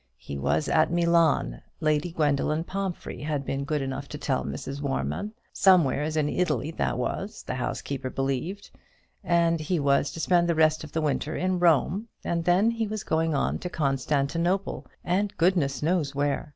He was at Milan, Lady Gwendoline Pomphrey had been good enough to tell Mrs. Warman; somewheres in Italy that was, the housekeeper believed; and he was to spend the rest of the winter in Rome, and then he was going on to Constantinople, and goodness knows where!